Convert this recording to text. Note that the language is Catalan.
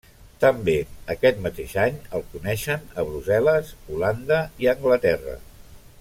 També, aquest mateix any el coneixen a Brussel·les, Holanda i Anglaterra.